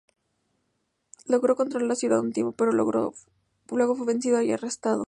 Logró controlar la ciudad un tiempo, pero luego fue vencido y arrestado.